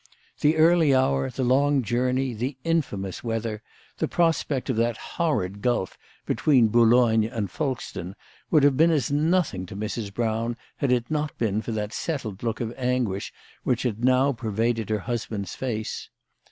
The early hour, the long journey, the infamous weather, the prospect of that horrid gulf between Boulogne and Folkestone, would have been as nothing to Mrs. Brown, had it not been for that settled look of anguish which had now per vaded her husband's face.